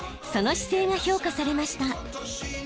その姿勢が評価されました。